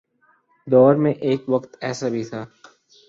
دور میں ایک وقت ایسا بھی تھا۔